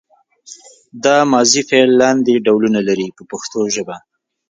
دا ماضي فعل لاندې ډولونه لري په پښتو ژبه.